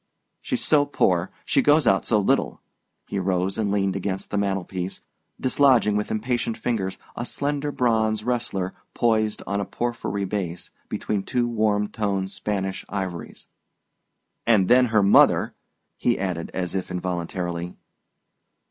"She's so poor! She goes out so little." He rose and leaned against the mantel piece, dislodging with impatient fingers a slender bronze wrestler poised on a porphyry base, between two warm toned Spanish ivories. "And then her mother " he added, as if involuntarily.